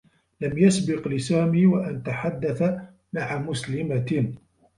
لم يسبق لسامي و أن تحدّث مع مسلمة.